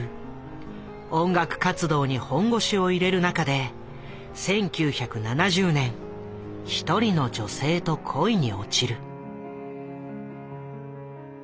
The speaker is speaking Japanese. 音楽活動に本腰を入れる中で１９７０年一人の女性と恋に落ちる。